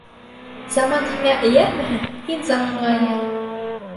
Заман һиңә эйәрмәһә, һин заманға эйәр.